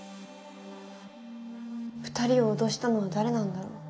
２人を脅したのは誰なんだろう？